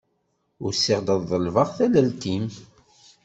Usiɣ-d ad ḍelbeɣ tallelt-im.